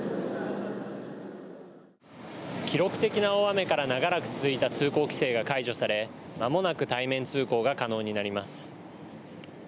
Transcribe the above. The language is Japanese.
記録的な大雨から長らく続いた通行規制が解除されまもなく対面通行が可能になります。